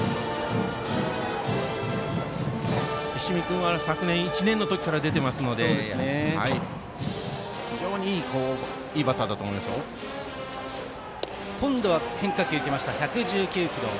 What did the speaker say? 石見君は昨年１年の時から出ていますので非常にいいバッターだと今度は変化球、１１９キロ。